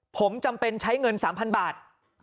ผมจำเป็นใช้เงิน๓๐๐บาท